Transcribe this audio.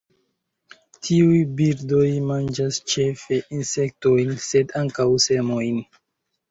Tiuj birdoj manĝas ĉefe insektojn sed ankaŭ semojn.